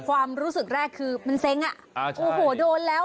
ความรู้สึกแรกคือมันเซ้งอ่ะโอ้โหโดนแล้ว